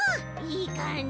いいかんじ。